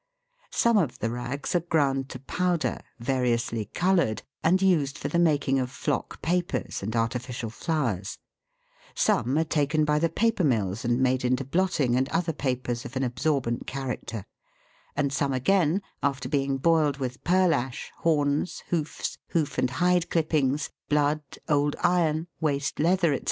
Some of the rags are ground to powder, variously coloured, and used for the making of flock papers and artificial flowers; some are taken by the paper mills and made into blotting and other papers of an absorbent character, and some again, after being boiled with pearl ash, horns, hoofs, hoof and hide clippings, blood, old iron, waste leather, &c.